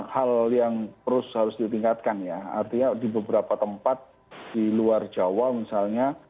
hal yang terus harus ditingkatkan ya artinya di beberapa tempat di luar jawa misalnya